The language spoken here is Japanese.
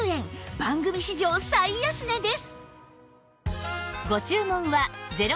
番組史上最安値です